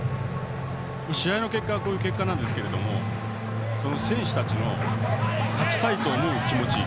試合の結果はこういう結果ですけど選手たちの勝ちたいと思う気持ち。